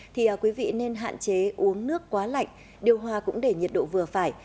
thì quý vị nên hạn chế uống nước quá lạnh điều hòa cũng để nhiệt độ vừa phải